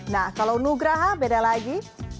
nah kalau nugraha beda lagi